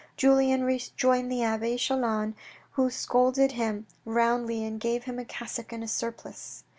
Julien rejoined the abbe Chelan, who scolded him roundly and gave him a cassock and a surplice.